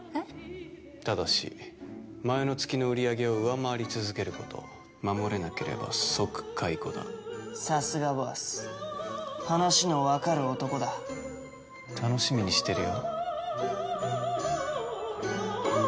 ただし前の月の売り上げを上回り続けること守れなければ即解雇ださすがボス話のわかる男だ楽しみにしてるよ